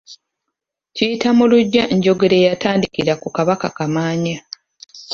Kiyiyta mu luggya njogera eyatandikira ku Kabaka Kamaanya.